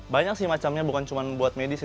banyak sih macamnya bukan cuma buat medis ya